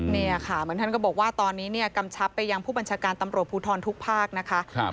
เนี่ยค่ะเหมือนท่านก็บอกว่าตอนนี้เนี่ยกำชับไปยังผู้บัญชาการตำรวจภูทรทุกภาคนะคะ